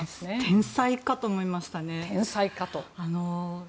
天才かと思いましたね。